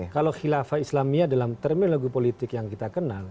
kalau khilafah islamia dalam terminologi lagu politik yang kita kenal